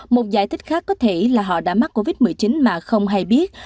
một giải thích khác có thể là họ đã mắc covid một mươi chín mà không hay biết